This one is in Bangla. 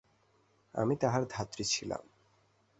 আমি তাঁহার ধাত্রী ছিলাম।